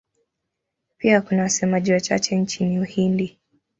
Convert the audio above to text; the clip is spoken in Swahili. Pia kuna wasemaji wachache nchini Uhindi.